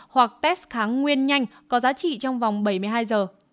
hoặc test kháng nguyên nhanh có giá trị trong vòng bảy mươi hai giờ